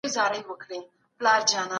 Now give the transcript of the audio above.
ځوانان تر زړو خلګو ډېر بدلون خوښوي.